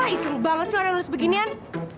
ih iseng banget sih orang yang nulis beginian